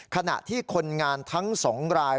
ขณะที่คนงานทั้ง๒ราย